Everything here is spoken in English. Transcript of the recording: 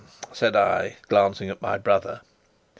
said I, glancing at my brother.